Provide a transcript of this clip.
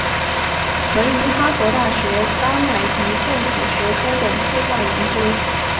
曾于哈佛大学甘乃迪政府学院等计画研究。